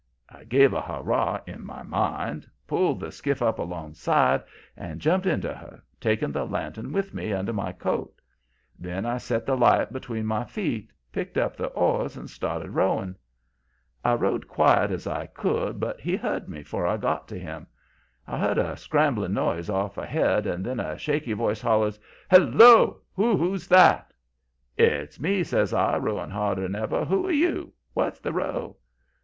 I gave a hurrah, in my mind, pulled the skiff up alongside and jumped into her, taking the lantern with me, under my coat. Then I set the light between my feet, picked up the oars and started rowing. "I rowed quiet as I could, but he heard me 'fore I got to him. I heard a scrambling noise off ahead, and then a shaky voice hollers: 'Hello! who's that?' "'It's me,' says I, rowing harder'n ever. 'Who are you? What's the row?'